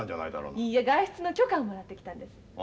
いいえ外出の許可をもらってきたんです。